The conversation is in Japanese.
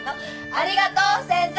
ありがとう先生！